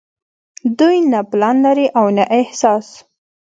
دوي نۀ پلان لري او نه احساس